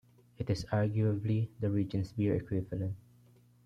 It is arguably the region's beer equivalent.